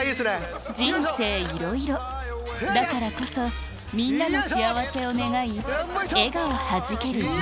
人生いろいろだからこそみんなの幸せを願い笑顔はじける